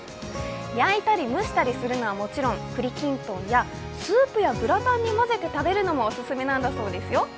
焼いたり蒸したりするのはもちろん栗きんとんや、スープやグラタンに混ぜて食べるのもオススメなんだそうですよ。